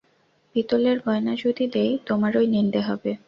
পিতলের গয়না যদি দিই তোমারই নিন্দে হবে।